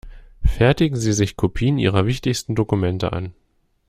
Fertigen Sie sich Kopien Ihrer wichtigsten Dokumente an.